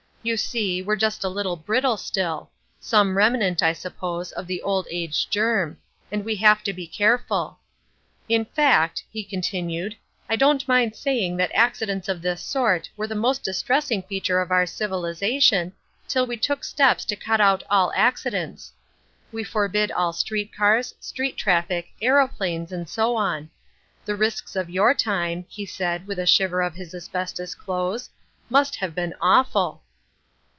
You see, we're just a little brittle still—some remnant, I suppose, of the Old Age germ—and we have to be careful. In fact," he continued, "I don't mind saying that accidents of this sort were the most distressing feature of our civilisation till we took steps to cut out all accidents. We forbid all street cars, street traffic, aeroplanes, and so on. The risks of your time," he said, with a shiver of his asbestos clothes, "must have been awful."